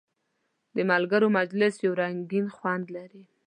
د ملګرو مجلس یو رنګین خوند لري.